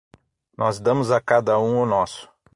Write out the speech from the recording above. Nós damos a cada um o nosso.